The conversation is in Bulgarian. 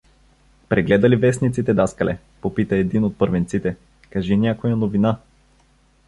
— Прегледа ли вестниците, даскале? — попита един от първенците. — Кажи някоя новина.